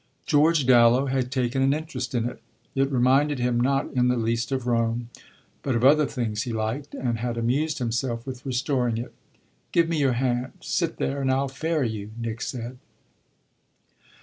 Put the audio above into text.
George Dallow had taken an interest in it it reminded him not in the least of Rome, but of other things he liked and had amused himself with restoring it. "Give me your hand sit there and I'll ferry you," Nick said.